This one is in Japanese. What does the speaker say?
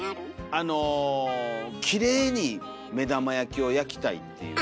あのきれいに目玉焼きを焼きたいっていう。